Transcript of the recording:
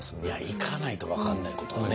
行かないと分かんないことはね。